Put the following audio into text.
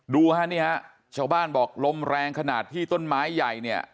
ดูฮะนี่ฮะชาวบ้านบอกลมแรงขนาดที่ต้นไม้ใหญ่เนี่ย